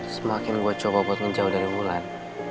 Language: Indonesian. semakin gue coba buat menjauh dari bulan